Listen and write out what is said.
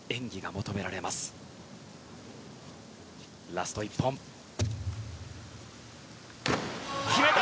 ラスト１本、決めた！